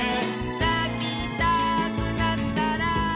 「なきたくなったら」